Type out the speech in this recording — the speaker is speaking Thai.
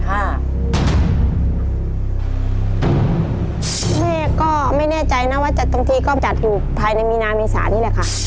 แม่ก็ไม่แน่ใจนะว่าจัดตรงทีก็จัดอยู่ภายในมีนาเมษานี่แหละค่ะ